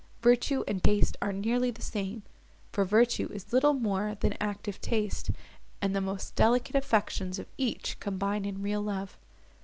Virtue and taste are nearly the same, for virtue is little more than active taste, and the most delicate affections of each combine in real love.